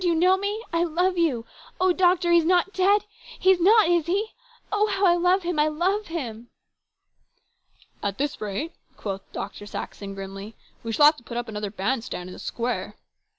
Do you know me ? I love you ! Oh, doctor, he is not dead ! He is not, is he ? Oh, how I love him ! I love him !"" At this rate," quoth Dr. Saxon grimly, " we shall have to put up another band stand in the square